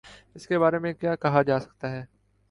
اس کے بارے میں کیا کہا جا سکتا ہے۔